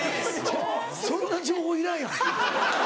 そんな情報いらんやん。